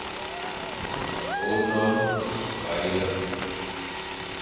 Ônon wa yel,,